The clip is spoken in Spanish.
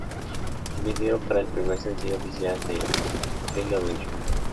El video para el primer sencillo oficial de "I Love You.